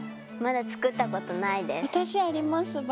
まだ作ったことないです。